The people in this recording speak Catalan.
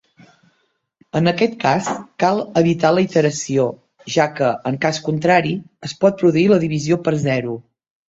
En aquest cas, cal evitar la iteració, ja que, en cas contrari, es pot produir la divisió per zero.